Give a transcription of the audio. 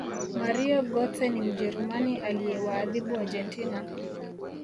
mario gotze ni mjerumani aliyewaathibu argentina